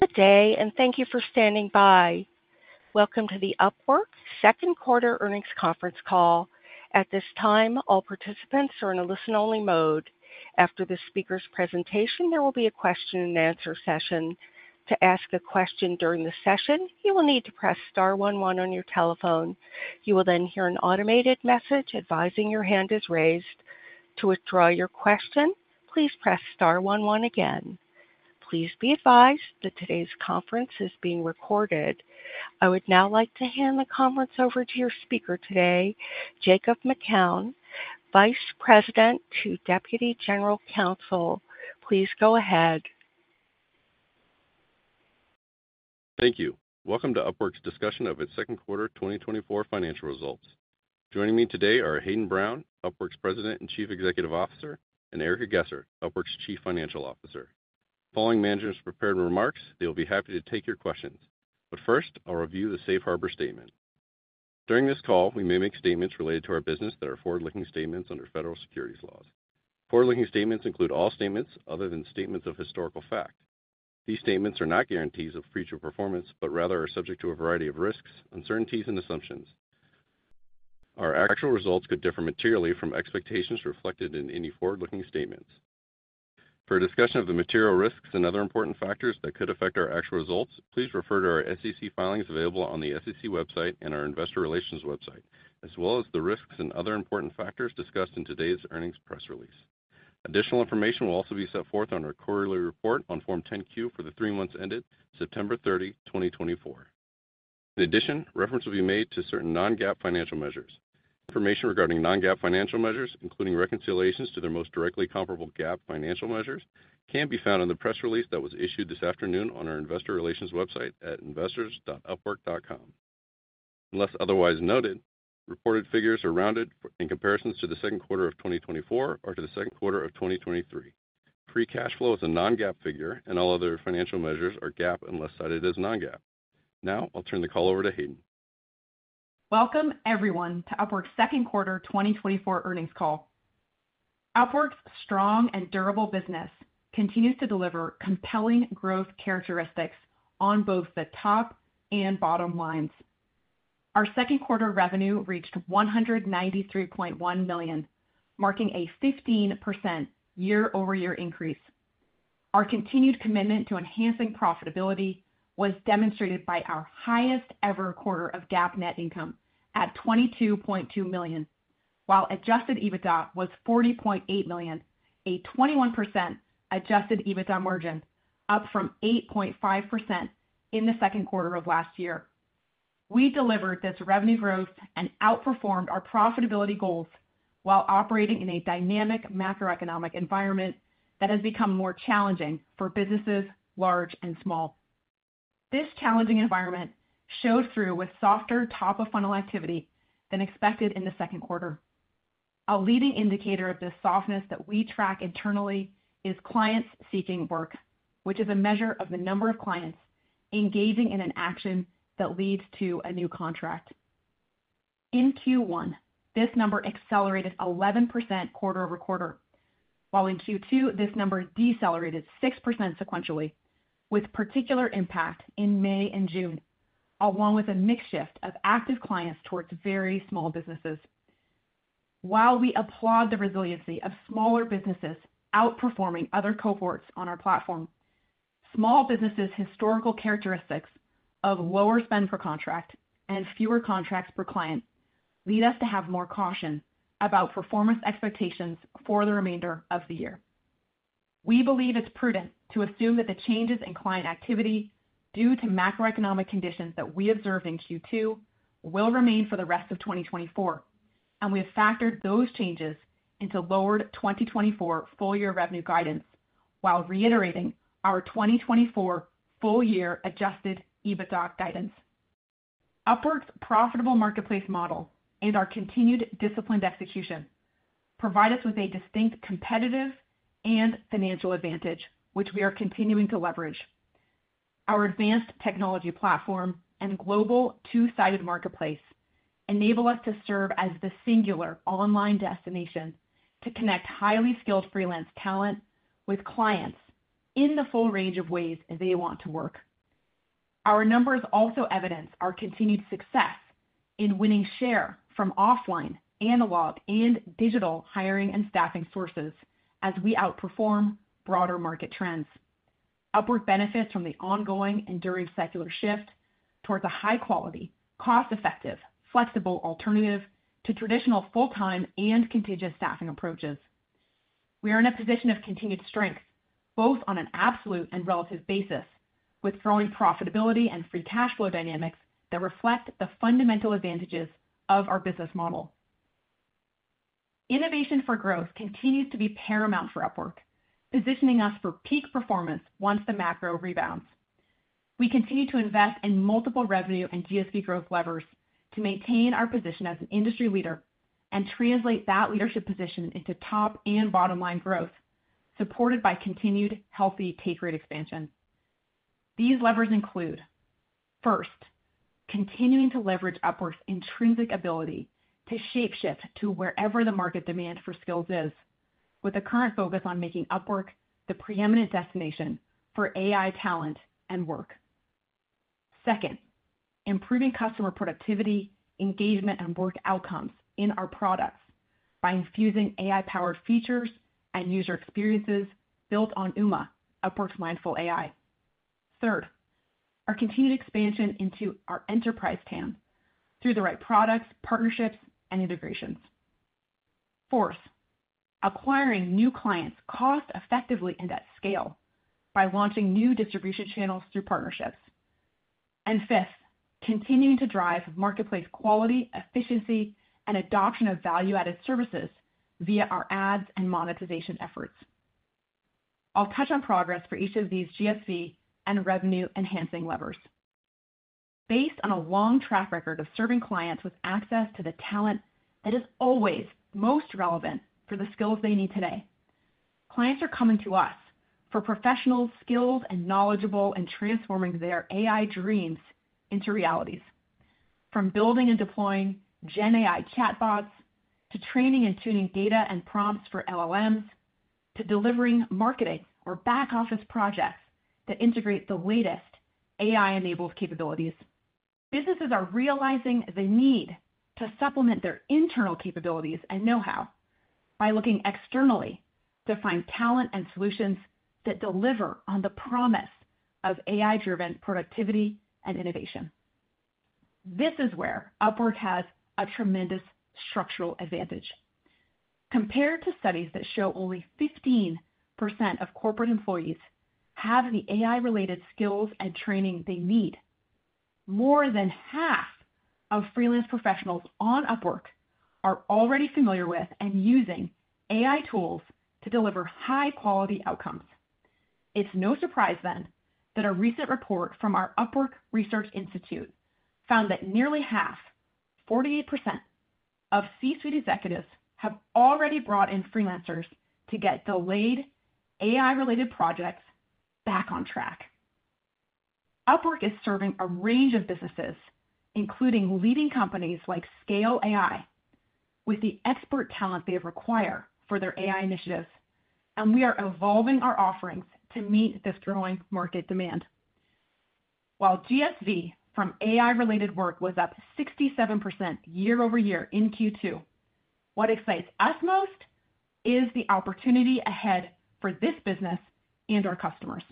Good day, and thank you for standing by. Welcome to the Upwork second quarter earnings conference call. At this time, all participants are in a listen-only mode. After the speaker's presentation, there will be a question-and-answer session. To ask a question during the session, you will need to press star one one on your telephone. You will then hear an automated message advising your hand is raised. To withdraw your question, please press star one one again. Please be advised that today's conference is being recorded. I would now like to hand the conference over to your speaker today, Jacob McCown, Vice President, Deputy General Counsel. Please go ahead. Thank you. Welcome to Upwork's discussion of its second quarter 2024 financial results. Joining me today are Hayden Brown, Upwork's President and Chief Executive Officer, and Erica Geser, Upwork's Chief Financial Officer. Following management's prepared remarks, they'll be happy to take your questions. But first, I'll review the Safe Harbor statement. During this call, we may make statements related to our business that are forward-looking statements under federal securities laws. Forward-looking statements include all statements other than statements of historical fact. These statements are not guarantees of future performance, but rather are subject to a variety of risks, uncertainties, and assumptions. Our actual results could differ materially from expectations reflected in any forward-looking statements. For a discussion of the material risks and other important factors that could affect our actual results, please refer to our SEC filings available on the SEC website and our investor relations website, as well as the risks and other important factors discussed in today's earnings press release. Additional information will also be set forth on our quarterly report on Form 10-Q for the three months ended September 30, 2024. In addition, reference will be made to certain non-GAAP financial measures. Information regarding non-GAAP financial measures, including reconciliations to their most directly comparable GAAP financial measures, can be found on the press release that was issued this afternoon on our investor relations website at investors.upwork.com. Unless otherwise noted, reported figures are rounded in comparisons to the second quarter of 2024 or to the second quarter of 2023. Free cash flow is a non-GAAP figure, and all other financial measures are GAAP unless cited as non-GAAP. Now I'll turn the call over to Hayden. Welcome, everyone, to Upwork's second quarter 2024 earnings call. Upwork's strong and durable business continues to deliver compelling growth characteristics on both the top and bottom lines. Our second quarter revenue reached $193.1 million, marking a 15% year-over-year increase. Our continued commitment to enhancing profitability was demonstrated by our highest ever quarter of GAAP net income at $22.2 million, while adjusted EBITDA was $40.8 million, a 21% adjusted EBITDA margin, up from 8.5% in the second quarter of last year. We delivered this revenue growth and outperformed our profitability goals while operating in a dynamic macroeconomic environment that has become more challenging for businesses, large and small. This challenging environment showed through with softer top-of-funnel activity than expected in the second quarter. A leading indicator of this softness that we track internally is clients seeking work, which is a measure of the number of clients engaging in an action that leads to a new contract. In Q1, this number accelerated 11% quarter over quarter, while in Q2, this number decelerated 6% sequentially, with particular impact in May and June, along with a mixed shift of active clients towards very small businesses. While we applaud the resiliency of smaller businesses outperforming other cohorts on our platform, small businesses' historical characteristics of lower spend per contract and fewer contracts per client lead us to have more caution about performance expectations for the remainder of the year. We believe it's prudent to assume that the changes in client activity due to macroeconomic conditions that we observed in Q2 will remain for the rest of 2024, and we have factored those changes into lowered 2024 full year revenue guidance, while reiterating our 2024 full year Adjusted EBITDA guidance. Upwork's profitable marketplace model and our continued disciplined execution provide us with a distinct competitive and financial advantage, which we are continuing to leverage. Our advanced technology platform and global two-sided marketplace enable us to serve as the singular online destination to connect highly skilled freelance talent with clients in the full range of ways they want to work. Our numbers also evidence our continued success in winning share from offline, analog, and digital hiring and staffing sources as we outperform broader market trends. Upwork benefits from the ongoing enduring secular shift towards a high-quality, cost-effective, flexible alternative to traditional full-time and contingent staffing approaches. We are in a position of continued strength, both on an absolute and relative basis, with growing profitability and free cash flow dynamics that reflect the fundamental advantages of our business model. Innovation for growth continues to be paramount for Upwork, positioning us for peak performance once the macro rebounds. We continue to invest in multiple revenue and GSV growth levers to maintain our position as an industry leader and translate that leadership position into top and bottom line growth, supported by continued healthy take rate expansion. These levers include, first, continuing to leverage Upwork's intrinsic ability to shape-shift to wherever the market demand for skills is, with a current focus on making Upwork the preeminent destination for AI talent and work. Second, improving customer productivity, engagement, and work outcomes in our products by infusing AI-powered features and user experiences built on Uma, Upwork's Mindful AI. Third, our continued expansion into our enterprise TAM through the right products, partnerships, and integrations. Fourth, acquiring new clients cost-effectively and at scale by launching new distribution channels through partnerships. And fifth, continuing to drive marketplace quality, efficiency, and adoption of value-added services via our ads and monetization efforts. I'll touch on progress for each of these GSV and revenue-enhancing levers. Based on a long track record of serving clients with access to the talent that is always most relevant for the skills they need today, clients are coming to us for professionals skilled and knowledgeable in transforming their AI dreams into realities. From building and deploying gen AI chatbots, to training and tuning data and prompts for LLMs, to delivering marketing or back-office projects that integrate the latest AI-enabled capabilities, businesses are realizing the need to supplement their internal capabilities and know-how by looking externally to find talent and solutions that deliver on the promise of AI-driven productivity and innovation. This is where Upwork has a tremendous structural advantage. Compared to studies that show only 15% of corporate employees have the AI-related skills and training they need, more than half of freelance professionals on Upwork are already familiar with and using AI tools to deliver high-quality outcomes. It's no surprise, then, that a recent report from our Upwork Research Institute found that nearly half, 48%, of C-suite executives have already brought in freelancers to get delayed AI-related projects back on track. Upwork is serving a range of businesses, including leading companies like Scale AI, with the expert talent they require for their AI initiatives, and we are evolving our offerings to meet this growing market demand. While GSV from AI-related work was up 67% year-over-year in Q2, what excites us most is the opportunity ahead for this business and our customers.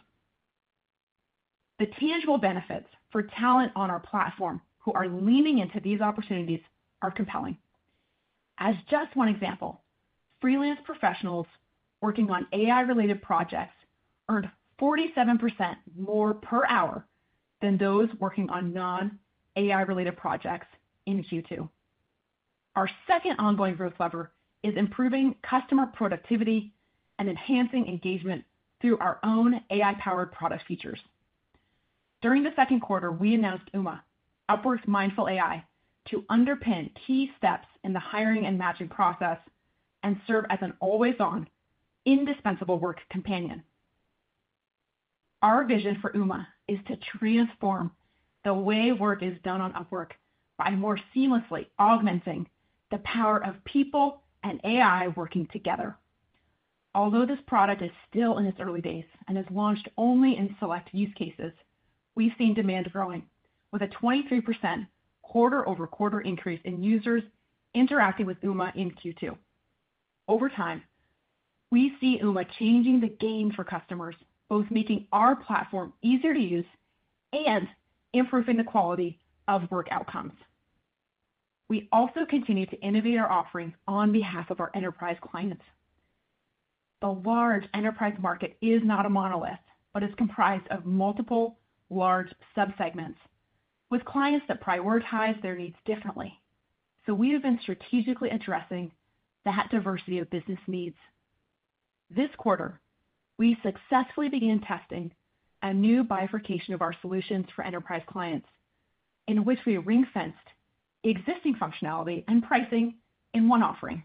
The tangible benefits for talent on our platform who are leaning into these opportunities are compelling. As just one example, freelance professionals working on AI-related projects earned 47% more per hour than those working on non-AI-related projects in Q2. Our second ongoing growth lever is improving customer productivity and enhancing engagement through our own AI-powered product features. During the second quarter, we announced Uma, Upwork's Mindful AI, to underpin key steps in the hiring and matching process and serve as an always-on, indispensable work companion. Our vision for Uma is to transform the way work is done on Upwork by more seamlessly augmenting the power of people and AI working together. Although this product is still in its early days and is launched only in select use cases, we've seen demand growing, with a 23% quarter-over-quarter increase in users interacting with Uma in Q2. Over time, we see Uma changing the game for customers, both making our platform easier to use and improving the quality of work outcomes. We also continue to innovate our offerings on behalf of our enterprise clients. The large enterprise market is not a monolith, but is comprised of multiple large subsegments, with clients that prioritize their needs differently. So we have been strategically addressing that diversity of business needs. This quarter, we successfully began testing a new bifurcation of our solutions for enterprise clients, in which we ring-fenced existing functionality and pricing in one offering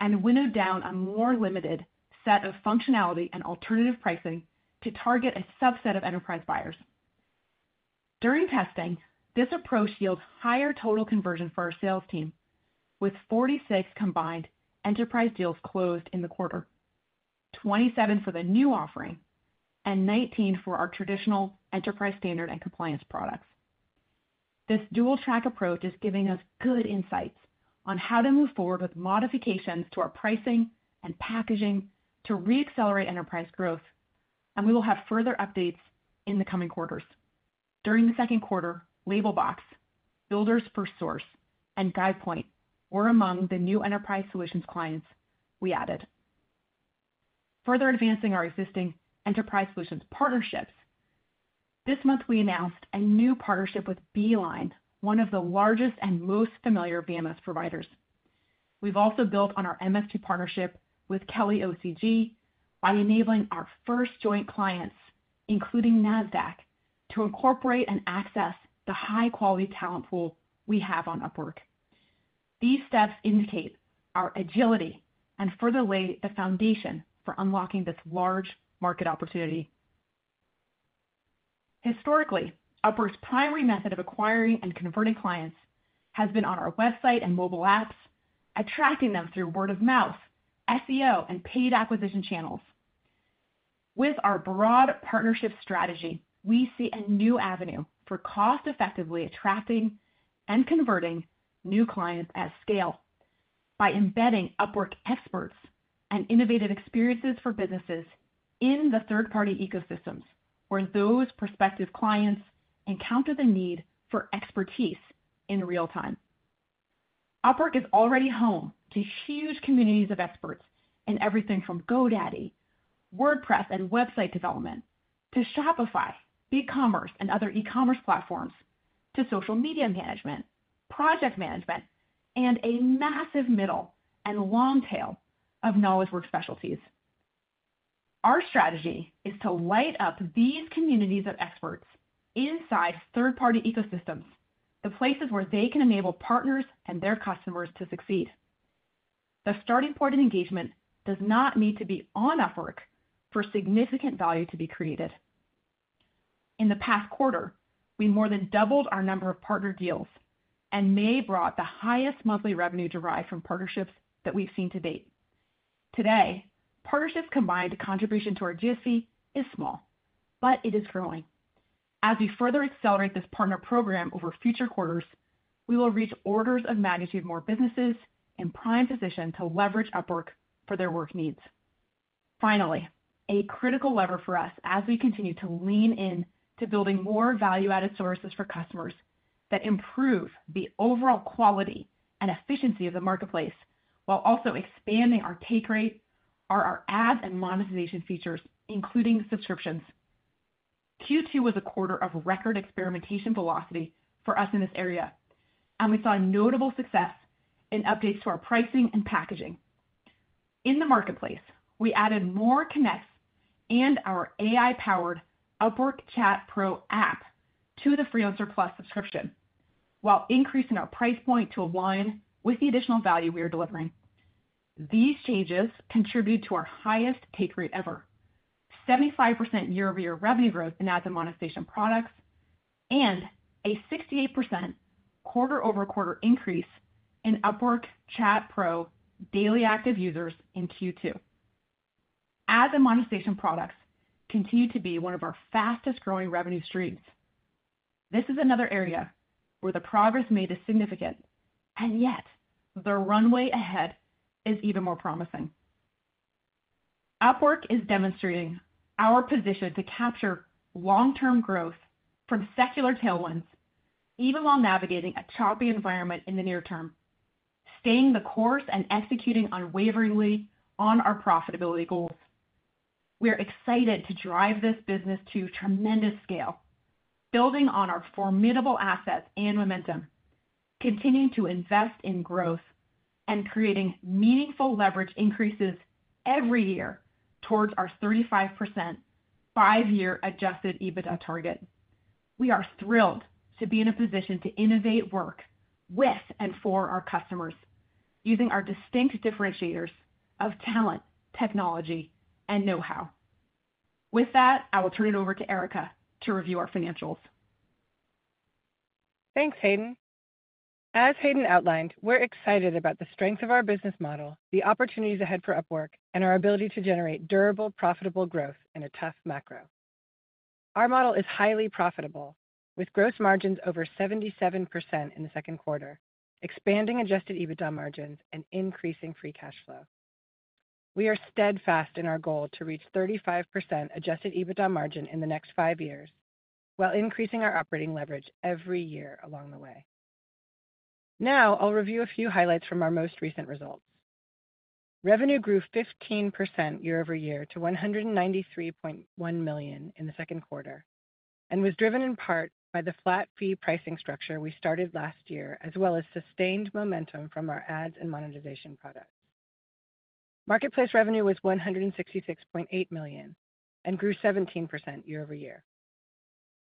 and winnowed down a more limited set of functionality and alternative pricing to target a subset of enterprise buyers. During testing, this approach yields higher total conversion for our sales team, with 46 combined enterprise deals closed in the quarter, 27 for the new offering and 19 for our traditional enterprise standard and compliance products. This dual-track approach is giving us good insights on how to move forward with modifications to our pricing and packaging to reaccelerate enterprise growth, and we will have further updates in the coming quarters. During the second quarter, Labelbox, Builders f Source, and Guidepoint were among the new enterprise solutions clients we added. Further advancing our existing enterprise solutions partnerships, this month we announced a new partnership with Beeline, one of the largest and most familiar VMS providers. We've also built on our MSP partnership with KellyOCG by enabling our first joint clients, including Nasdaq, to incorporate and access the high-quality talent pool we have on Upwork. These steps indicate our agility and further lay the foundation for unlocking this large market opportunity. Historically, Upwork's primary method of acquiring and converting clients has been on our website and mobile apps, attracting them through word of mouth, SEO, and paid acquisition channels. With our broad partnership strategy, we see a new avenue for cost-effectively attracting and converting new clients at scale by embedding Upwork experts and innovative experiences for businesses in the third-party ecosystems, where those prospective clients encounter the need for expertise in real time. Upwork is already home to huge communities of experts in everything from GoDaddy, WordPress, and website development, to Shopify, BigCommerce, and other e-commerce platforms, to social media management, project management, and a massive middle and long tail of knowledge work specialties. Our strategy is to light up these communities of experts inside third-party ecosystems, the places where they can enable partners and their customers to succeed. The starting point of engagement does not need to be on Upwork for significant value to be created. In the past quarter, we more than doubled our number of partner deals, and May brought the highest monthly revenue derived from partnerships that we've seen to date. Today, partnerships' combined contribution to our GSV is small, but it is growing. As we further accelerate this partner program over future quarters, we will reach orders of magnitude more businesses in prime position to leverage Upwork for their work needs. Finally, a critical lever for us as we continue to lean in to building more value-added sources for customers that improve the overall quality and efficiency of the marketplace, while also expanding our take rate, are our ad and monetization features, including subscriptions. Q2 was a quarter of record experimentation velocity for us in this area, and we saw a notable success in updates to our pricing and packaging. In the marketplace, we added more connects and our AI-powered Upwork Chat Pro app to the Freelancer Plus subscription, while increasing our price point to align with the additional value we are delivering. These changes contribute to our highest take rate ever, 75% year-over-year revenue growth in ad and monetization products, and a 68% quarter-over-quarter increase in Upwork Chat Pro daily active users in Q2. Ad and monetization products continue to be one of our fastest-growing revenue streams. This is another area where the progress made is significant, and yet the runway ahead is even more promising. Upwork is demonstrating our position to capture long-term growth from secular tailwinds, even while navigating a choppy environment in the near term, staying the course and executing unwaveringly on our profitability goals. We are excited to drive this business to tremendous scale, building on our formidable assets and momentum, continuing to invest in growth, and creating meaningful leverage increases every year towards our 35% five-year Adjusted EBITDA target. We are thrilled to be in a position to innovate work with and for our customers, using our distinct differentiators of talent, technology, and know-how. With that, I will turn it over to Erica to review our financials. Thanks, Hayden. As Hayden outlined, we're excited about the strength of our business model, the opportunities ahead for Upwork, and our ability to generate durable, profitable growth in a tough macro. Our model is highly profitable, with gross margins over 77% in the second quarter, expanding Adjusted EBITDA margins and increasing Free Cash Flow. We are steadfast in our goal to reach 35% Adjusted EBITDA margin in the next five years, while increasing our operating leverage every year along the way. Now, I'll review a few highlights from our most recent results. Revenue grew 15% year-over-year to $193.1 million in the second quarter, and was driven in part by the flat-fee pricing structure we started last year, as well as sustained momentum from our ads and monetization products. Marketplace revenue was $166.8 million and grew 17% year-over-year.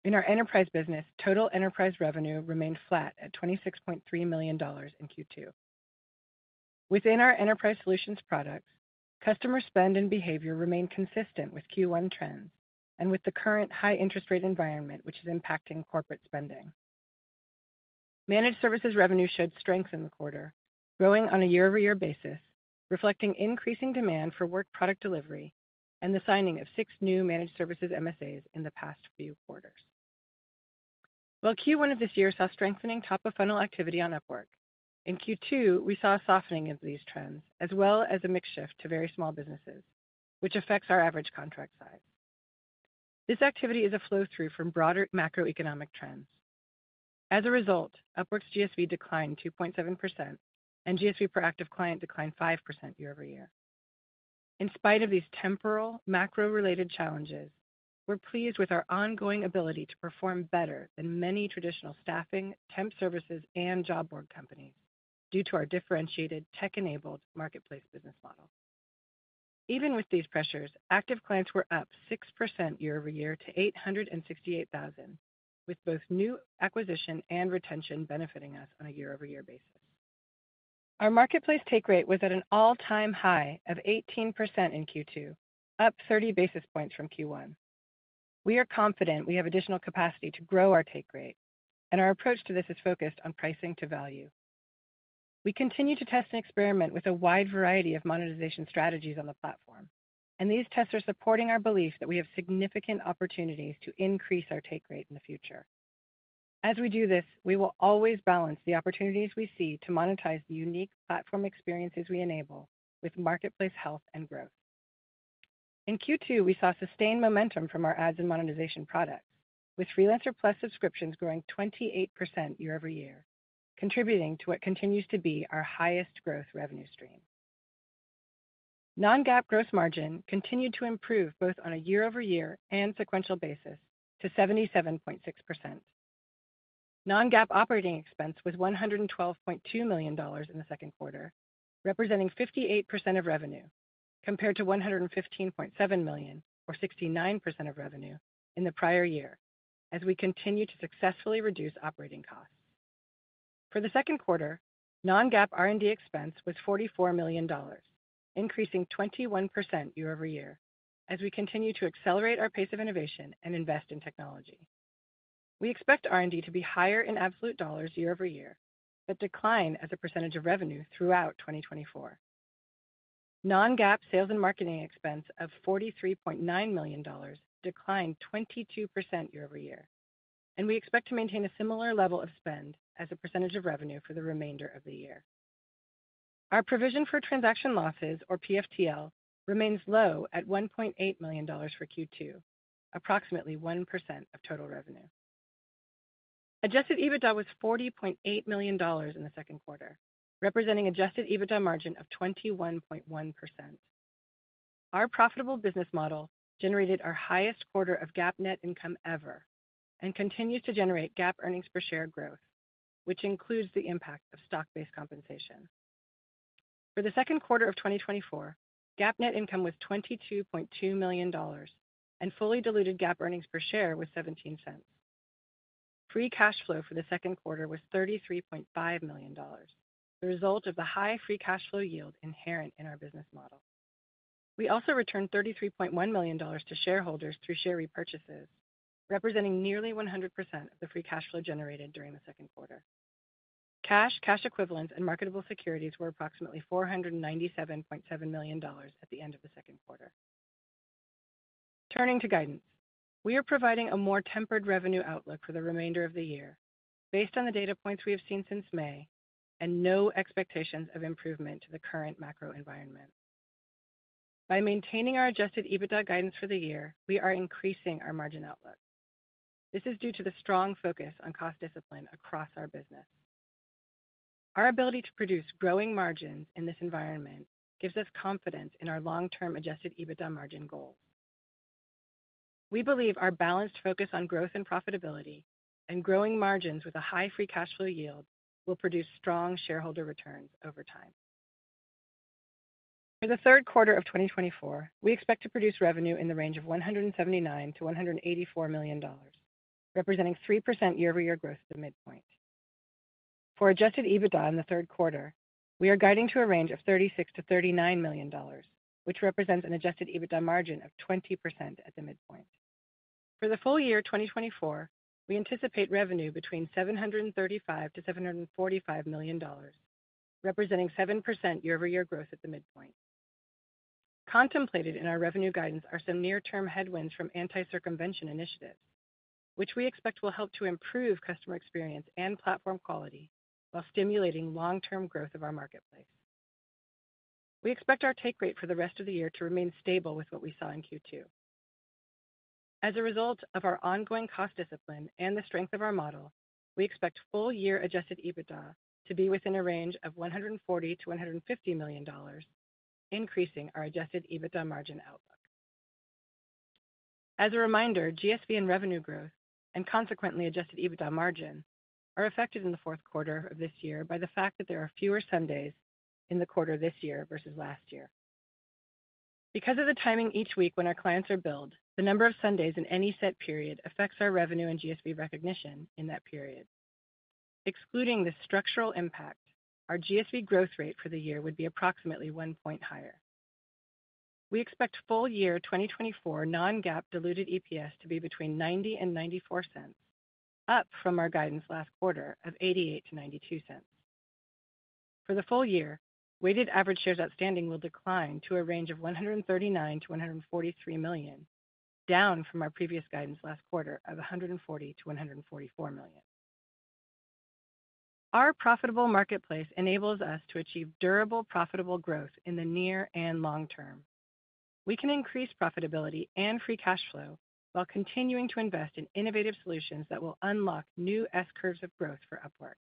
In our enterprise business, total enterprise revenue remained flat at $26.3 million in Q2. Within our enterprise solutions products, customer spend and behavior remained consistent with Q1 trends and with the current high interest rate environment, which is impacting corporate spending. Managed services revenue showed strength in the quarter, growing on a year-over-year basis, reflecting increasing demand for work product delivery and the signing of six new managed services MSAs in the past few quarters. While Q1 of this year saw strengthening top-of-funnel activity on Upwork, in Q2, we saw a softening of these trends, as well as a mix shift to very small businesses, which affects our average contract size. This activity is a flow-through from broader macroeconomic trends. As a result, Upwork's GSV declined 2.7%, and GSV per active client declined 5% year-over-year. In spite of these temporal, macro-related challenges, we're pleased with our ongoing ability to perform better than many traditional staffing, temp services, and job board companies due to our differentiated tech-enabled marketplace business model. Even with these pressures, active clients were up 6% year-over-year to 868,000, with both new acquisition and retention benefiting us on a year-over-year basis. Our marketplace take rate was at an all-time high of 18% in Q2, up 30 basis points from Q1. We are confident we have additional capacity to grow our take rate, and our approach to this is focused on pricing to value. We continue to test and experiment with a wide variety of monetization strategies on the platform, and these tests are supporting our belief that we have significant opportunities to increase our take rate in the future. As we do this, we will always balance the opportunities we see to monetize the unique platform experiences we enable with marketplace health and growth. In Q2, we saw sustained momentum from our ads and monetization products, with Freelancer Plus subscriptions growing 28% year-over-year, contributing to what continues to be our highest growth revenue stream. Non-GAAP gross margin continued to improve both on a year-over-year and sequential basis to 77.6%. Non-GAAP operating expense was $112.2 million in the second quarter, representing 58% of revenue, compared to $115.7 million, or 69% of revenue in the prior year, as we continue to successfully reduce operating costs. For the second quarter, non-GAAP R&D expense was $44 million, increasing 21% year-over-year, as we continue to accelerate our pace of innovation and invest in technology. We expect R&D to be higher in absolute dollars year-over-year, but decline as a percentage of revenue throughout 2024. Non-GAAP sales and marketing expense of $43.9 million declined 22% year-over-year, and we expect to maintain a similar level of spend as a percentage of revenue for the remainder of the year. Our provision for transaction losses, or PFTL, remains low at $1.8 million for Q2, approximately 1% of total revenue. Adjusted EBITDA was $40.8 million in the second quarter, representing adjusted EBITDA margin of 21.1%. Our profitable business model generated our highest quarter of GAAP net income ever and continues to generate GAAP earnings per share growth, which includes the impact of stock-based compensation. For the second quarter of 2024, GAAP net income was $22.2 million, and fully diluted GAAP earnings per share was $0.17. Free cash flow for the second quarter was $33.5 million, the result of the high free cash flow yield inherent in our business model. We also returned $33.1 million to shareholders through share repurchases, representing nearly 100% of the Free Cash Flow generated during the second quarter. Cash, cash equivalents, and marketable securities were approximately $497.7 million at the end of the second quarter. Turning to guidance, we are providing a more tempered revenue outlook for the remainder of the year based on the data points we have seen since May and no expectations of improvement to the current macro environment. By maintaining our Adjusted EBITDA guidance for the year, we are increasing our margin outlook. This is due to the strong focus on cost discipline across our business. Our ability to produce growing margins in this environment gives us confidence in our long-term Adjusted EBITDA margin goals. We believe our balanced focus on growth and profitability and growing margins with a high free cash flow yield will produce strong shareholder returns over time. For the third quarter of 2024, we expect to produce revenue in the range of $179 million-$184 million, representing 3% year-over-year growth at the midpoint. For adjusted EBITDA in the third quarter, we are guiding to a range of $36 million-$39 million, which represents an adjusted EBITDA margin of 20% at the midpoint. For the full year 2024, we anticipate revenue between $735 million-$745 million, representing 7% year-over-year growth at the midpoint. Contemplated in our revenue guidance are some near-term headwinds from anti-circumvention initiatives, which we expect will help to improve customer experience and platform quality while stimulating long-term growth of our marketplace. We expect our take rate for the rest of the year to remain stable with what we saw in Q2. As a result of our ongoing cost discipline and the strength of our model, we expect full year Adjusted EBITDA to be within a range of $140 million-$150 million, increasing our Adjusted EBITDA margin outlook. As a reminder, GSV and revenue growth, and consequently, Adjusted EBITDA margin, are affected in the fourth quarter of this year by the fact that there are fewer Sundays in the quarter this year versus last year. Because of the timing each week when our clients are billed, the number of Sundays in any set period affects our revenue and GSV recognition in that period. Excluding this structural impact, our GSV growth rate for the year would be approximately 1 point higher. We expect full year 2024 non-GAAP diluted EPS to be between $0.90 and $0.94, up from our guidance last quarter of $0.88-$0.92. For the full year, weighted average shares outstanding will decline to a range of 139 million-143 million, down from our previous guidance last quarter of 140 million-144 million. Our profitable marketplace enables us to achieve durable, profitable growth in the near and long term. We can increase profitability and Free Cash Flow while continuing to invest in innovative solutions that will unlock new S-curves of growth for Upwork.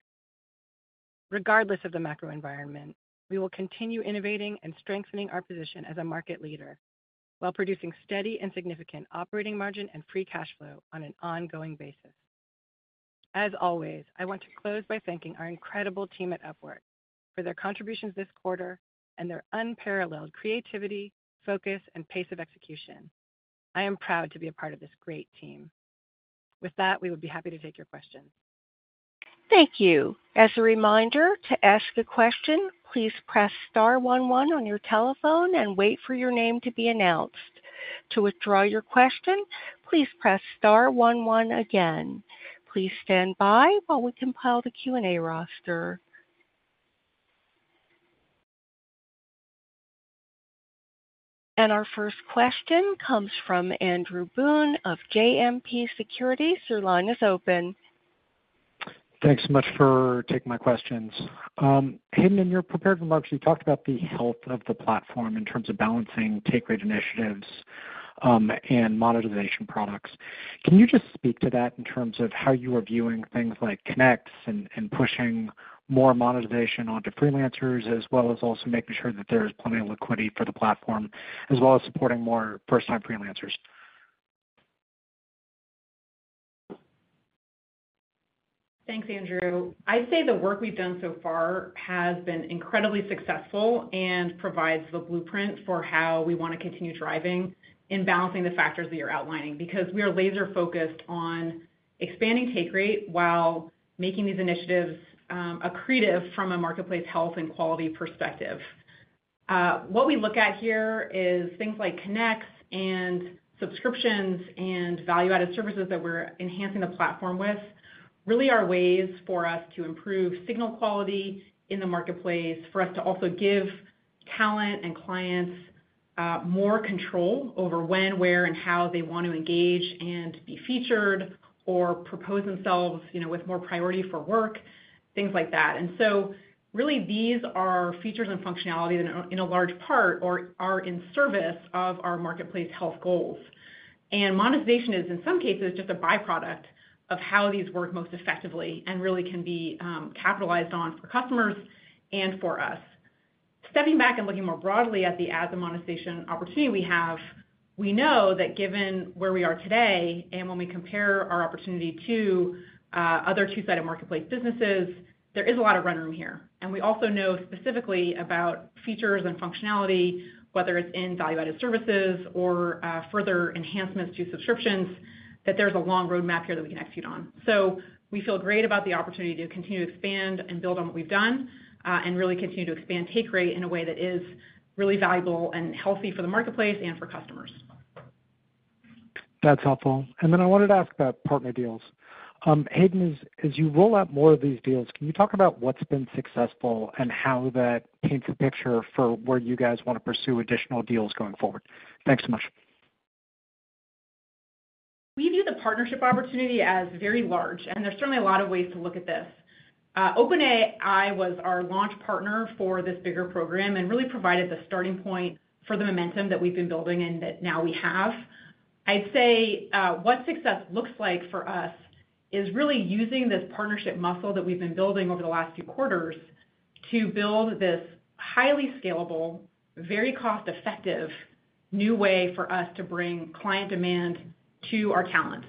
Regardless of the macro environment, we will continue innovating and strengthening our position as a market leader while producing steady and significant Operating Margin and Free Cash Flow on an ongoing basis. ...As always, I want to close by thanking our incredible team at Upwork for their contributions this quarter and their unparalleled creativity, focus, and pace of execution. I am proud to be a part of this great team. With that, we would be happy to take your questions. Thank you. As a reminder, to ask a question, please press star one one on your telephone and wait for your name to be announced. To withdraw your question, please press star one one again. Please stand by while we compile the Q&A roster. Our first question comes from Andrew Boone of JMP Securities. Your line is open. Thanks so much for taking my questions. Hayden, in your prepared remarks, you talked about the health of the platform in terms of balancing take rate initiatives, and monetization products. Can you just speak to that in terms of how you are viewing things like connects and pushing more monetization onto freelancers, as well as also making sure that there is plenty of liquidity for the platform, as well as supporting more first-time freelancers? Thanks, Andrew. I'd say the work we've done so far has been incredibly successful and provides the blueprint for how we want to continue driving in balancing the factors that you're outlining, because we are laser focused on expanding take rate while making these initiatives, accretive from a marketplace health and quality perspective. What we look at here is things like connects and subscriptions, and value-added services that we're enhancing the platform with, really are ways for us to improve signal quality in the marketplace, for us to also give talent and clients, more control over when, where, and how they want to engage and be featured or propose themselves, you know, with more priority for work, things like that. And so really, these are features and functionalities in a, in a large part, or are in service of our marketplace health goals. Monetization is, in some cases, just a by-product of how these work most effectively and really can be capitalized on for customers and for us. Stepping back and looking more broadly at the ads and monetization opportunity we have, we know that given where we are today, and when we compare our opportunity to other two-sided marketplace businesses, there is a lot of run room here. We also know specifically about features and functionality, whether it's in value-added services or further enhancements to subscriptions, that there's a long roadmap here that we can execute on. We feel great about the opportunity to continue to expand and build on what we've done and really continue to expand take rate in a way that is really valuable and healthy for the marketplace and for customers. That's helpful. Then I wanted to ask about partner deals. Hayden, as you roll out more of these deals, can you talk about what's been successful and how that paints a picture for where you guys want to pursue additional deals going forward? Thanks so much. We view the partnership opportunity as very large, and there's certainly a lot of ways to look at this. OpenAI was our launch partner for this bigger program and really provided the starting point for the momentum that we've been building and that now we have. I'd say, what success looks like for us is really using this partnership muscle that we've been building over the last few quarters to build this highly scalable, very cost-effective, new way for us to bring client demand to our talent.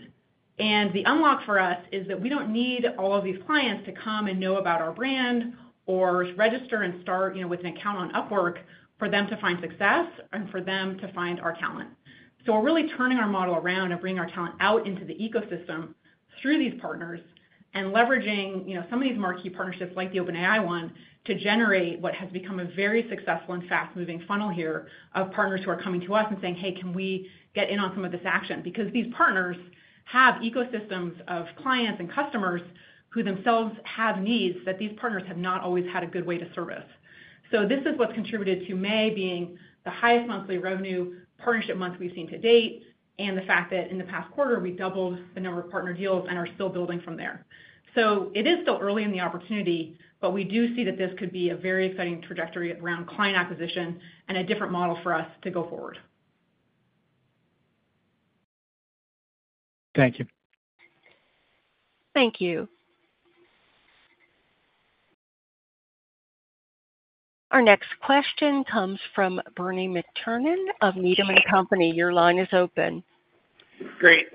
And the unlock for us is that we don't need all of these clients to come and know about our brand or register and start, you know, with an account on Upwork, for them to find success and for them to find our talent. So we're really turning our model around and bringing our talent out into the ecosystem through these partners and leveraging, you know, some of these marquee partnerships like the OpenAI one, to generate what has become a very successful and fast-moving funnel here of partners who are coming to us and saying, "Hey, can we get in on some of this action?" Because these partners have ecosystems of clients and customers who themselves have needs that these partners have not always had a good way to service. So this is what's contributed to May being the highest monthly revenue partnership month we've seen to date, and the fact that in the past quarter, we doubled the number of partner deals and are still building from there. It is still early in the opportunity, but we do see that this could be a very exciting trajectory around client acquisition and a different model for us to go forward. Thank you. Thank you. Our next question comes from Bernie McTernan of Needham & Company. Your line is open. Great,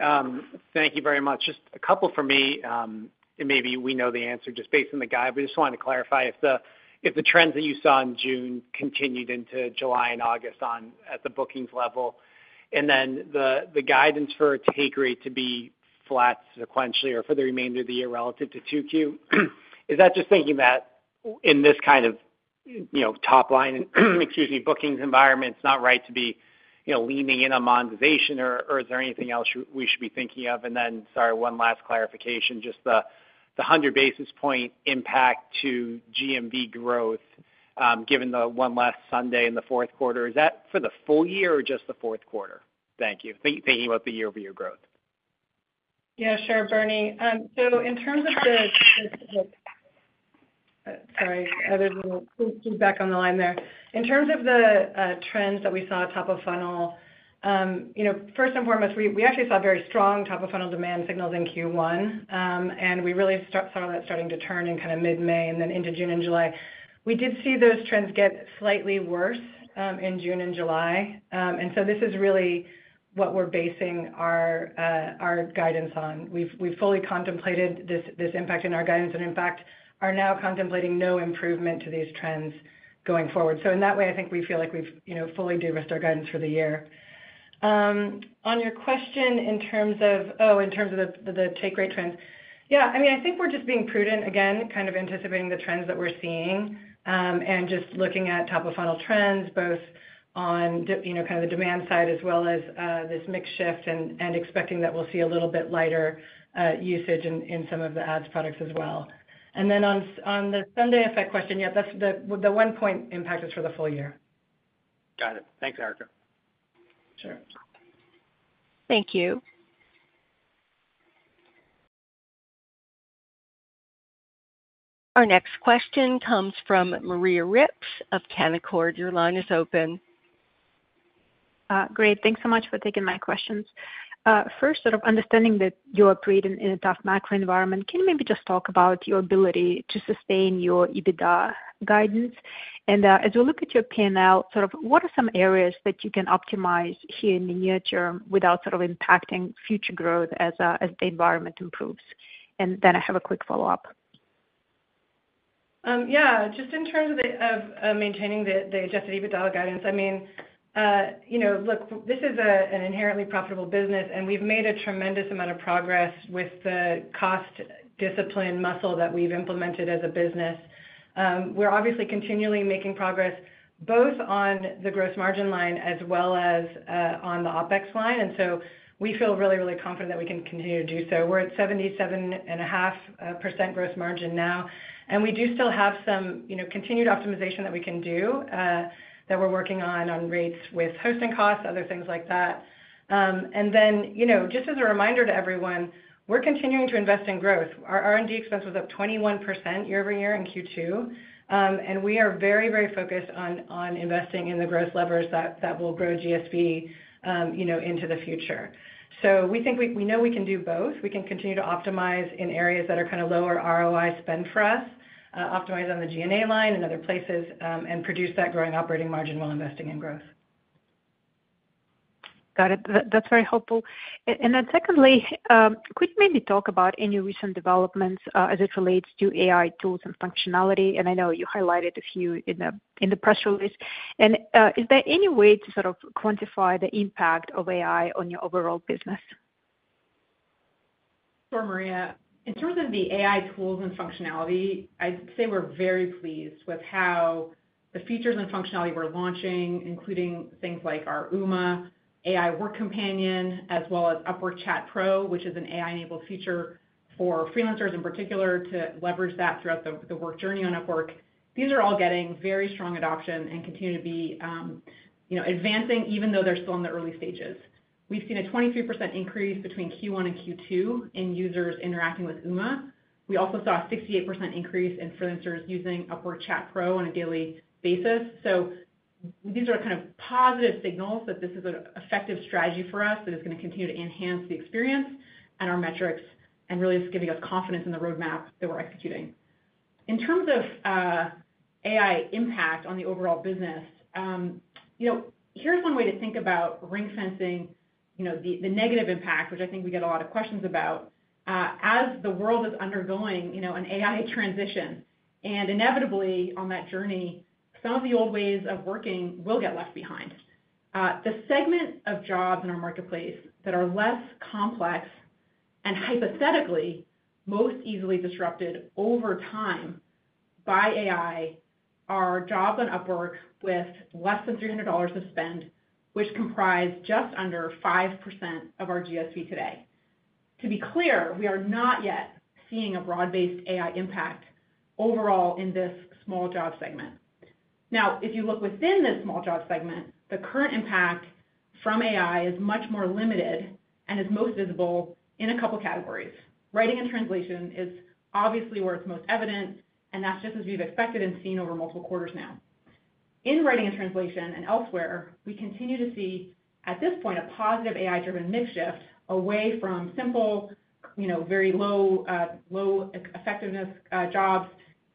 thank you very much. Just a couple from me, and maybe we know the answer just based on the guide, but just wanted to clarify if the trends that you saw in June continued into July and August on the bookings level, and then the guidance for take rate to be flat sequentially or for the remainder of the year relative to 2Q. Is that just thinking that in this kind of, you know, top line, excuse me, bookings environment, it's not right to be, you know, leaning in on monetization, or is there anything else we should be thinking of? And then, sorry, one last clarification, just the 100 basis point impact to GMV growth, given the one less Sunday in the fourth quarter, is that for the full year or just the fourth quarter? Thank you. Thinking about the year-over-year growth. Yeah, sure, Bernie. So in terms of the—sorry, I had a little feedback on the line there. In terms of the trends that we saw at top of funnel, you know, first and foremost, we, we actually saw very strong top-of-funnel demand signals in Q1, and we really saw that starting to turn in mid-May and then into June and July. We did see those trends get slightly worse in June and July. And so this is really what we're basing our, our guidance on. We've, we've fully contemplated this, this impact in our guidance, and in fact, are now contemplating no improvement to these trends going forward. So in that way, I think we feel like we've, you know, fully de-risked our guidance for the year. On your question, in terms of the take rate trends. Yeah, I mean, I think we're just being prudent, again, kind of anticipating the trends that we're seeing, and just looking at top-of-funnel trends, both on the, you know, kind of the demand side as well as this mix shift and expecting that we'll see a little bit lighter usage in some of the ads products as well. And then on the Sunday effect question, yeah, that's the 1-point impact is for the full year. Got it. Thanks, Erica. Sure. Thank you. Our next question comes from Maria Rips of Canaccord. Your line is open. Great. Thanks so much for taking my questions. First, sort of understanding that you operate in a tough macro environment, can you maybe just talk about your ability to sustain your EBITDA guidance? And, as we look at your P&L, sort of, what are some areas that you can optimize here in the near term without sort of impacting future growth as the environment improves? And then I have a quick follow-up. Yeah, just in terms of the maintaining the Adjusted EBITDA guidance, I mean, you know, look, this is an inherently profitable business, and we've made a tremendous amount of progress with the cost discipline muscle that we've implemented as a business. We're obviously continually making progress, both on the gross margin line as well as on the OpEx line, and so we feel really, really confident that we can continue to do so. We're at 77.5% gross margin now, and we do still have some, you know, continued optimization that we can do, that we're working on, on rates with hosting costs, other things like that. And then, you know, just as a reminder to everyone, we're continuing to invest in growth. Our R&D expense was up 21% year-over-year in Q2. We are very, very focused on investing in the growth levers that will grow GSV, you know, into the future. So we know we can do both. We can continue to optimize in areas that are kind of lower ROI spend for us, optimize on the G&A line and other places, and produce that growing operating margin while investing in growth. Got it. That, that's very helpful. And, and then secondly, could you maybe talk about any recent developments, as it relates to AI tools and functionality? And I know you highlighted a few in the press release. And, is there any way to sort of quantify the impact of AI on your overall business? Sure, Maria. In terms of the AI tools and functionality, I'd say we're very pleased with how the features and functionality we're launching, including things like our Uma AI work companion, as well as Upwork Chat Pro, which is an AI-enabled feature for freelancers in particular to leverage that throughout the work journey on Upwork. These are all getting very strong adoption and continue to be, you know, advancing, even though they're still in the early stages. We've seen a 23% increase between Q1 and Q2 in users interacting with Uma. We also saw a 68% increase in freelancers using Upwork Chat Pro on a daily basis. So these are kind of positive signals that this is an effective strategy for us, that it's gonna continue to enhance the experience and our metrics, and really just giving us confidence in the roadmap that we're executing. In terms of AI impact on the overall business, you know, here's one way to think about ring-fencing, you know, the negative impact, which I think we get a lot of questions about. As the world is undergoing, you know, an AI transition, and inevitably on that journey, some of the old ways of working will get left behind. The segment of jobs in our marketplace that are less complex and hypothetically most easily disrupted over time by AI are jobs on Upwork with less than $300 of spend, which comprise just under 5% of our GSV today. To be clear, we are not yet seeing a broad-based AI impact overall in this small job segment. Now, if you look within this small job segment, the current impact from AI is much more limited and is most visible in a couple categories. Writing and translation is obviously where it's most evident, and that's just as we've expected and seen over multiple quarters now. In writing and translation and elsewhere, we continue to see, at this point, a positive AI-driven mix shift away from simple, you know, very low, low-effectiveness jobs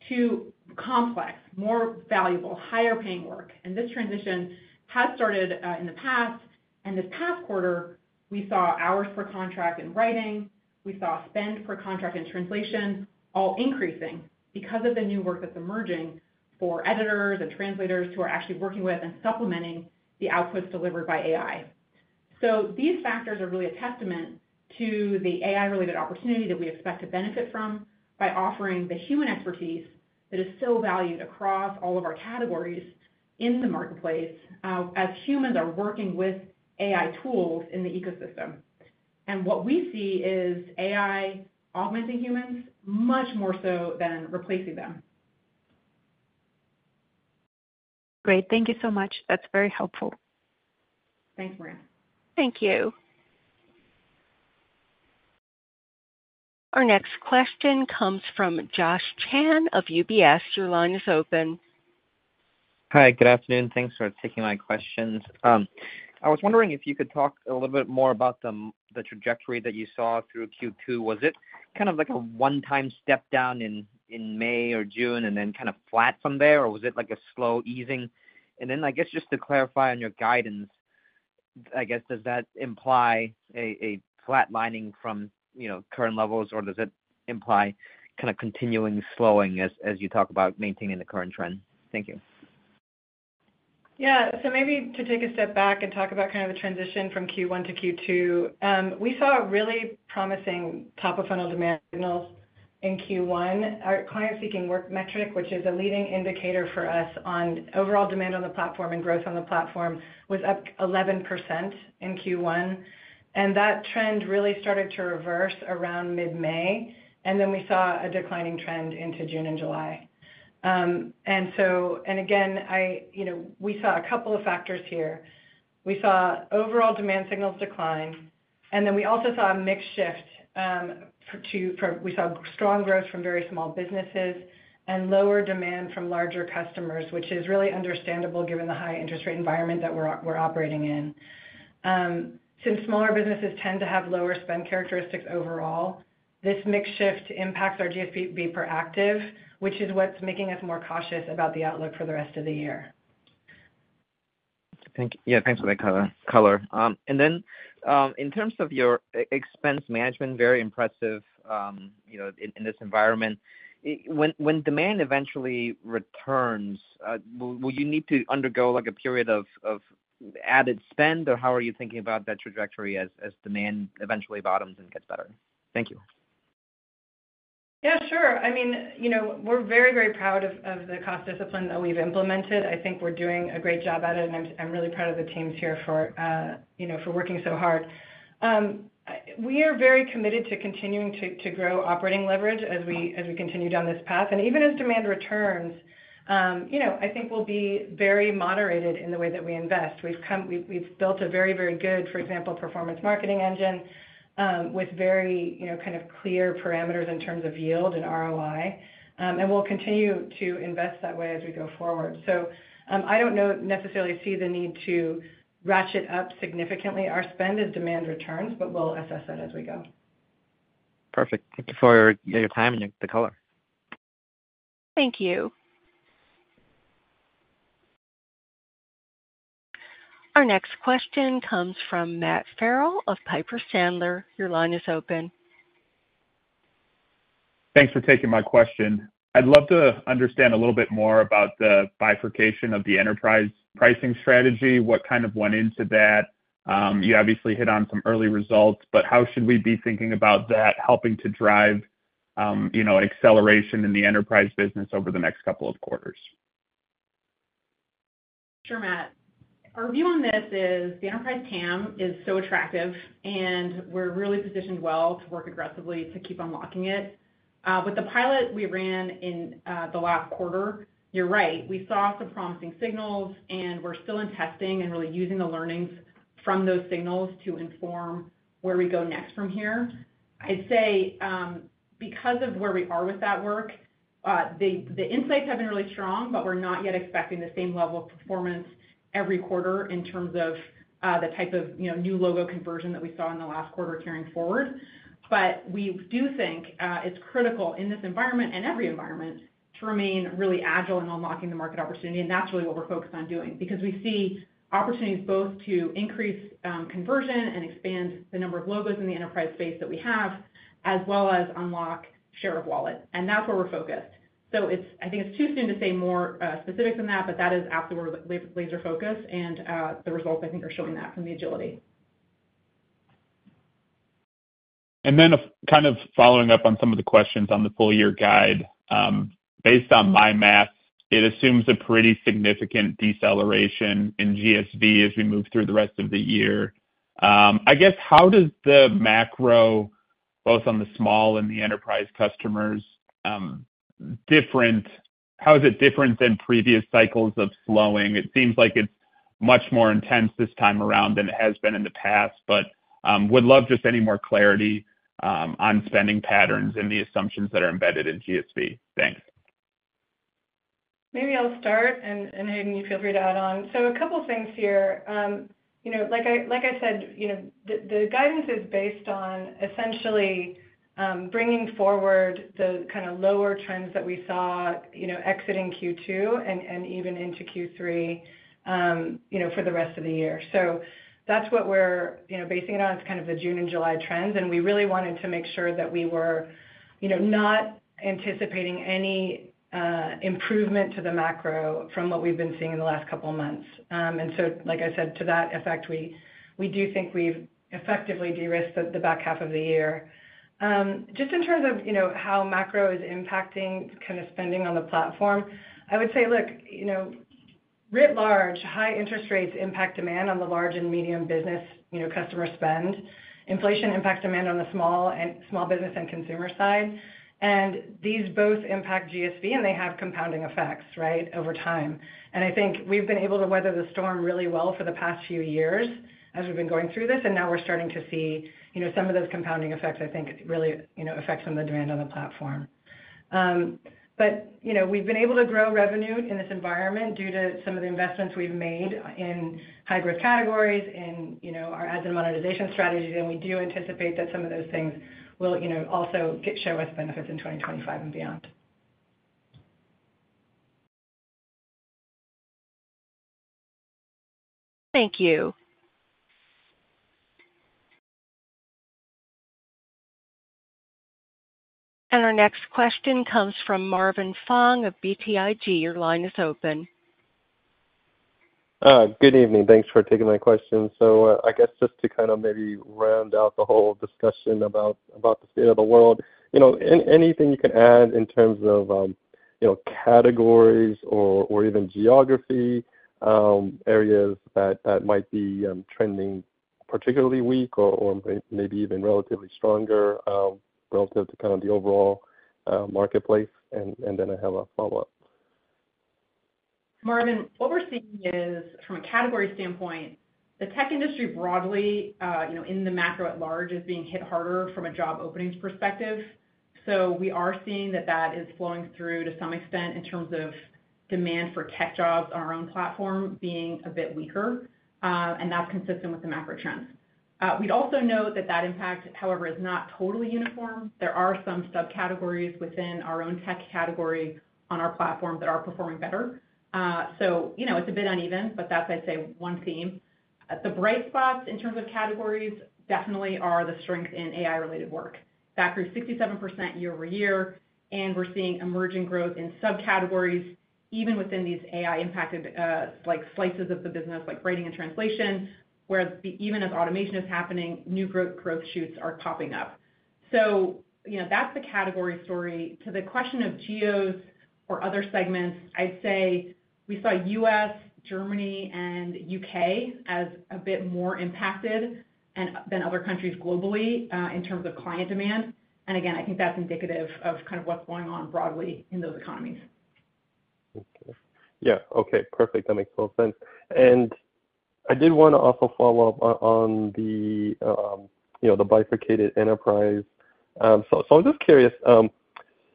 to complex, more valuable, higher-paying work. And this transition has started, in the past, and this past quarter, we saw hours per contract in writing, we saw spend per contract in translation, all increasing because of the new work that's emerging for editors and translators who are actually working with and supplementing the outputs delivered by AI. So these factors are really a testament to the AI-related opportunity that we expect to benefit from by offering the human expertise that is so valued across all of our categories in the marketplace, as humans are working with AI tools in the ecosystem. And what we see is AI augmenting humans much more so than replacing them. Great. Thank you so much. That's very helpful. Thanks, Maria. Thank you. Our next question comes from Josh Tan of UBS. Your line is open. Hi, good afternoon. Thanks for taking my questions. I was wondering if you could talk a little bit more about the trajectory that you saw through Q2. Was it kind of like a one-time step down in May or June and then kind of flat from there, or was it like a slow easing? And then, I guess, just to clarify on your guidance, I guess, does that imply a flatlining from, you know, current levels, or does it imply kind of continuing slowing as you talk about maintaining the current trend? Thank you.... Yeah, so maybe to take a step back and talk about kind of the transition from Q1 to Q2. We saw a really promising top-of-funnel demand signals in Q1. Our client-seeking work metric, which is a leading indicator for us on overall demand on the platform and growth on the platform, was up 11% in Q1, and that trend really started to reverse around mid-May, and then we saw a declining trend into June and July. And so, and again, you know, we saw a couple of factors here. We saw overall demand signals decline, and then we also saw a mix shift, we saw strong growth from very small businesses and lower demand from larger customers, which is really understandable given the high interest rate environment that we're operating in. Since smaller businesses tend to have lower spend characteristics overall, this mix shift impacts our GSV be proactive, which is what's making us more cautious about the outlook for the rest of the year. Thank you. Yeah, thanks for that color. And then, in terms of your expense management, very impressive, you know, in this environment. When demand eventually returns, will you need to undergo, like, a period of added spend, or how are you thinking about that trajectory as demand eventually bottoms and gets better? Thank you. Yeah, sure. I mean, you know, we're very, very proud of the cost discipline that we've implemented. I think we're doing a great job at it, and I'm really proud of the teams here for, you know, for working so hard. We are very committed to continuing to grow operating leverage as we continue down this path. And even as demand returns, you know, I think we'll be very moderated in the way that we invest. We've built a very, very good, for example, performance marketing engine, with very, you know, kind of clear parameters in terms of yield and ROI, and we'll continue to invest that way as we go forward. So, I don't know, necessarily see the need to ratchet up significantly our spend as demand returns, but we'll assess that as we go. Perfect. Thank you for your time and the color. Thank you. Our next question comes from Matt Ferrell of Piper Sandler. Your line is open. Thanks for taking my question. I'd love to understand a little bit more about the bifurcation of the enterprise pricing strategy. What kind of went into that? You obviously hit on some early results, but how should we be thinking about that helping to drive, you know, acceleration in the enterprise business over the next couple of quarters? Sure, Matt. Our view on this is the Enterprise TAM is so attractive, and we're really positioned well to work aggressively to keep unlocking it. With the pilot we ran in the last quarter, you're right, we saw some promising signals, and we're still in testing and really using the learnings from those signals to inform where we go next from here. I'd say, because of where we are with that work, the insights have been really strong, but we're not yet expecting the same level of performance every quarter in terms of the type of, you know, new logo conversion that we saw in the last quarter carrying forward. But we do think it's critical in this environment and every environment to remain really agile in unlocking the market opportunity, and that's really what we're focused on doing. Because we see opportunities both to increase conversion and expand the number of logos in the enterprise space that we have, as well as unlock share of wallet, and that's where we're focused. So I think it's too soon to say more specific than that, but that is absolutely where we're laser focused, and the results, I think, are showing that from the agility. And then, kind of following up on some of the questions on the full year guide. Based on my math, it assumes a pretty significant deceleration in GSV as we move through the rest of the year. I guess, how does the macro, both on the small and the enterprise customers, how is it different than previous cycles of slowing? It seems like it's much more intense this time around than it has been in the past, but would love just any more clarity on spending patterns and the assumptions that are embedded in GSV. Thanks. Maybe I'll start, and Hayden, you feel free to add on. So a couple of things here. You know, like I said, you know, the guidance is based on essentially bringing forward the kind of lower trends that we saw, you know, exiting Q2 and even into Q3, you know, for the rest of the year. So that's what we're, you know, basing it on. It's kind of the June and July trends, and we really wanted to make sure that we were, you know, not anticipating any improvement to the macro from what we've been seeing in the last couple of months. And so, like I said, to that effect, we do think we've effectively de-risked the back half of the year. Just in terms of, you know, how macro is impacting kind of spending on the platform, I would say, look, you know, writ large, high interest rates impact demand on the large and medium business, you know, customer spend. Inflation impacts demand on the small business and consumer side. And these both impact GSV, and they have compounding effects, right, over time. And I think we've been able to weather the storm really well for the past few years as we've been going through this, and now we're starting to see, you know, some of those compounding effects, I think, really, you know, affecting the demand on the platform. But, you know, we've been able to grow revenue in this environment due to some of the investments we've made in high-growth categories, in, you know, our ads and monetization strategies, and we do anticipate that some of those things will, you know, also show us benefits in 2025 and beyond. Thank you. And our next question comes from Marvin Fong of BTIG. Your line is open. Good evening. Thanks for taking my question. So, I guess just to kind of maybe round out the whole discussion about the state of the world, you know, anything you can add in terms of, you know, categories or even geography, areas that might be trending particularly weak or maybe even relatively stronger, relative to kind of the overall marketplace? And then I have a follow-up. Marvin, what we're seeing is, from a category standpoint, the tech industry broadly, you know, in the macro at large, is being hit harder from a job openings perspective. So we are seeing that that is flowing through to some extent in terms of demand for tech jobs on our own platform being a bit weaker, and that's consistent with the macro trends. We'd also note that that impact, however, is not totally uniform. There are some subcategories within our own tech category on our platform that are performing better. So, you know, it's a bit uneven, but that's, I'd say, one theme. The bright spots in terms of categories definitely are the strength in AI-related work. That grew 67% year-over-year, and we're seeing emerging growth in subcategories, even within these AI-impacted, like, slices of the business, like writing and translation, where even as automation is happening, new growth shoots are popping up. So, you know, that's the category story. To the question of geos or other segments, I'd say we saw U.S., Germany, and U.K. as a bit more impacted and, than other countries globally, in terms of client demand. And again, I think that's indicative of kind of what's going on broadly in those economies. Okay. Yeah, okay, perfect. That makes total sense. And I did wanna also follow up on the, you know, the bifurcated enterprise. So, so I'm just curious,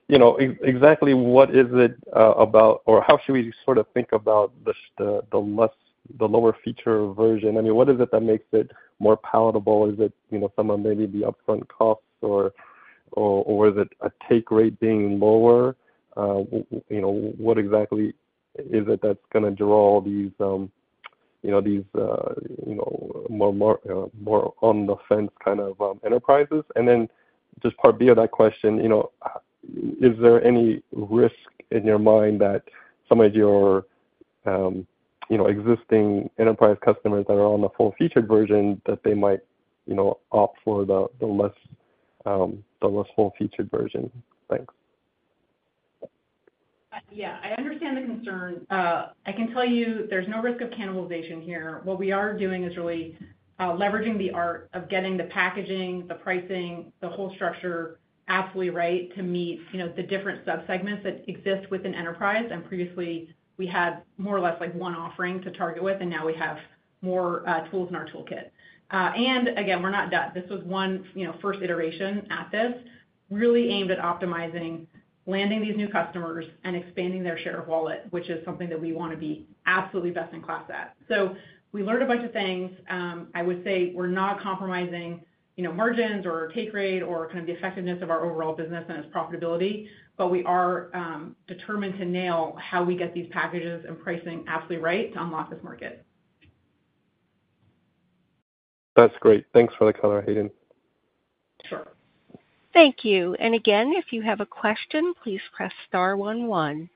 you know, exactly what is it about or how should we sort of think about the the less, the lower feature version? I mean, what is it that makes it more palatable? Is it, you know, some of maybe the upfront costs or, or, or is it a take rate being lower? You know, what exactly is it that's gonna draw these, you know, these, you know, more, more, more on-the-fence kind of enterprises? And then, just part B of that question, you know, is there any risk in your mind that some of your, you know, existing enterprise customers that are on the full-featured version, that they might, you know, opt for the less full-featured version? Thanks. Yeah, I understand the concern. I can tell you there's no risk of cannibalization here. What we are doing is really, leveraging the art of getting the packaging, the pricing, the whole structure absolutely right to meet, you know, the different subsegments that exist within enterprise. And previously, we had more or less like one offering to target with, and now we have more, tools in our toolkit. And again, we're not done. This was one, you know, first iteration at this, really aimed at optimizing, landing these new customers and expanding their share of wallet, which is something that we wanna be absolutely best-in-class at. So we learned a bunch of things. I would say we're not compromising, you know, margins or take rate or kind of the effectiveness of our overall business and its profitability, but we are determined to nail how we get these packages and pricing absolutely right to unlock this market. That's great. Thanks for the color, Hayden. Sure. Thank you. And again, if you have a question, please press star one one.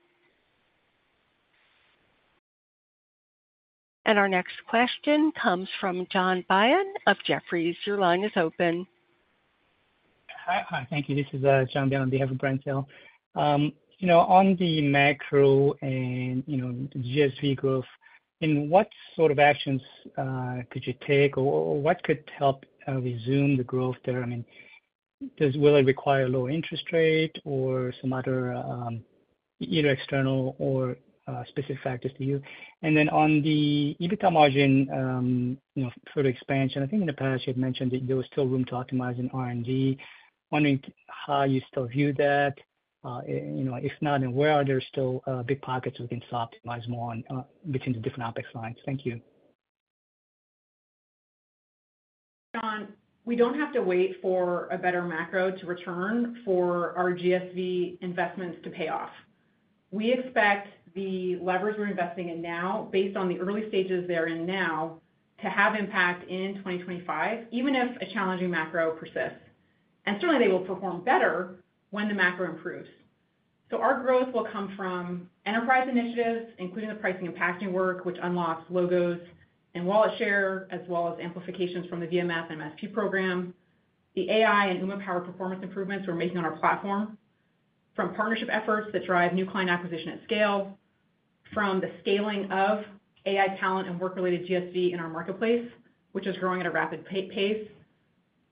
And our next question comes from John Bian of Jefferies. Your line is open. Hi. Hi. Thank you. This is John Bian on behalf of Brent Hill. You know, on the macro and, you know, GSV growth, in what sort of actions could you take, or what could help resume the growth there? I mean, does it require a lower interest rate or some other either external or specific factors to you? And then on the EBITDA margin, you know, further expansion, I think in the past you had mentioned that there was still room to optimize in R&D. Wondering how you still view that? You know, if not, then where are there still big pockets we can still optimize more on between the different OpEx lines? Thank you. John, we don't have to wait for a better macro to return for our GSV investments to pay off. We expect the levers we're investing in now, based on the early stages they're in now, to have impact in 2025, even if a challenging macro persists. And certainly, they will perform better when the macro improves. So our growth will come from enterprise initiatives, including the pricing and packaging work, which unlocks logos and wallet share, as well as amplifications from the VMS and MSP program. The AI and Uma-powered performance improvements we're making on our platform, from partnership efforts that drive new client acquisition at scale, from the scaling of AI talent and work-related GSV in our marketplace, which is growing at a rapid pace.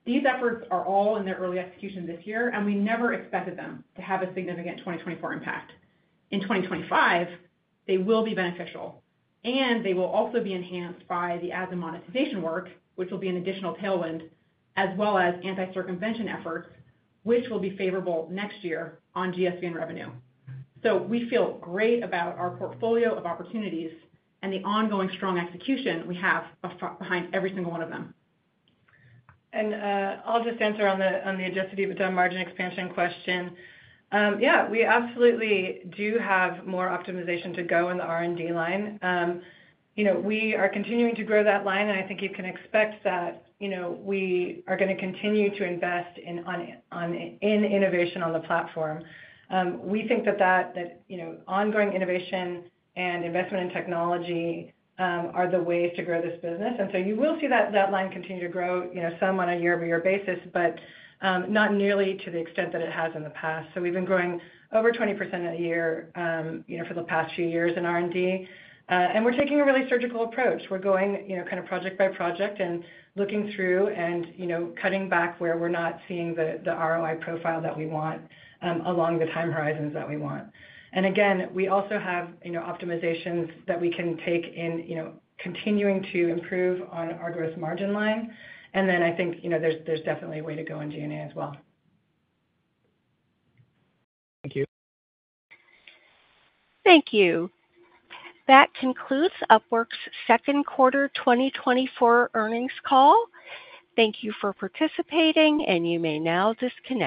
These efforts are all in their early execution this year, and we never expected them to have a significant 2024 impact. In 2025, they will be beneficial, and they will also be enhanced by the ads and monetization work, which will be an additional tailwind, as well as anti-circumvention efforts, which will be favorable next year on GSV and revenue. So we feel great about our portfolio of opportunities and the ongoing strong execution we have behind every single one of them. And, I'll just answer on the adjusted EBITDA margin expansion question. Yeah, we absolutely do have more optimization to go in the R&D line. You know, we are continuing to grow that line, and I think you can expect that, you know, we are gonna continue to invest in innovation on the platform. We think that, you know, ongoing innovation and investment in technology are the ways to grow this business, and so you will see that line continue to grow, you know, some on a year-over-year basis, but not nearly to the extent that it has in the past. So we've been growing over 20% a year, you know, for the past few years in R&D, and we're taking a really surgical approach. We're going, you know, kind of project by project and looking through and, you know, cutting back where we're not seeing the ROI profile that we want along the time horizons that we want. And again, we also have, you know, optimizations that we can take in, you know, continuing to improve on our gross margin line. And then I think, you know, there's definitely a way to go in G&A as well. Thank you. Thank you. That concludes Upwork's second quarter 2024 earnings call. Thank you for participating, and you may now disconnect.